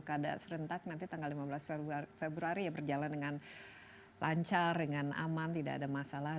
pada serentak nanti tanggal lima belas februari ya berjalan dengan lancar dengan aman tidak ada masalah